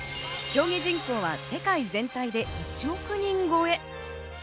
競技人口は世界全体で１億人超え。